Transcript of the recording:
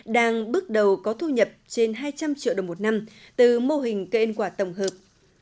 đang bước đầu có thu nhập trên hai trăm linh triệu đồng một năm từ mô hình cây ăn quả tổng hợp